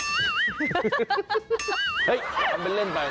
เฮ้ยทำเป็นเล่นไปหน่อย